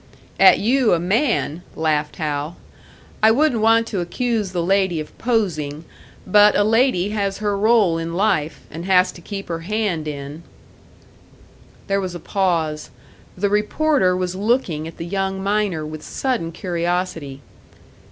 "At you, a man!" laughed Hal. "I wouldn't want to accuse the lady of posing; but a lady has her role in life, and has to keep her hand in." There was a pause. The reporter was looking at the young miner with sudden curiosity.